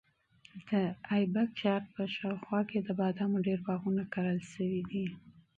د ایبک ښار په شاوخوا کې د بادامو ډېر باغونه کرل شوي دي.